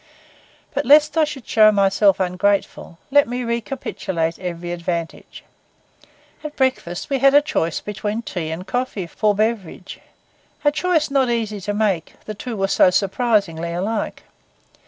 But lest I should show myself ungrateful, let me recapitulate every advantage. At breakfast we had a choice between tea and coffee for beverage; a choice not easy to make, the two were so surprisingly alike.